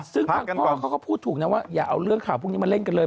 ซึ่งทางพ่อเขาก็พูดถูกนะว่าอย่าเอาเรื่องข่าวพวกนี้มาเล่นกันเลย